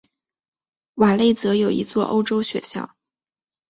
瓦雷泽有一座欧洲学校。